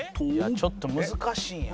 「ちょっと難しいんや」